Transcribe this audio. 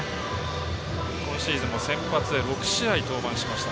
今シーズンも先発で６試合登板しました。